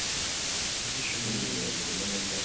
ibyishimo n'umunezero